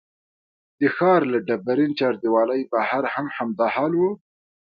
د ښار له ډبرین چاردیوالۍ بهر هم همدا حال و.